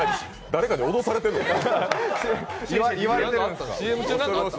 誰かに脅されてんのか？